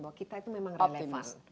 bahwa kita itu memang relevan